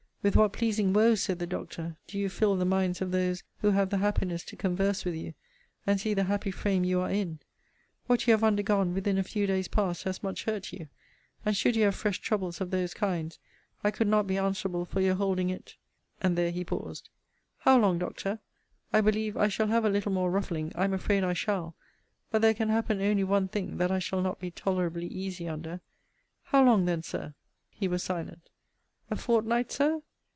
With what pleasing woe, said the Doctor, do you fill the minds of those who have the happiness to converse with you, and see the happy frame you are in! what you have undergone within a few days past has much hurt you: and should you have fresh troubles of those kinds, I could not be answerable for your holding it And there he paused. How long, Doctor? I believe I shall have a little more ruffling I am afraid I shall but there can happen only one thing that I shall not be tolerably easy under How long then, Sir? He was silent. A fortnight, Sir?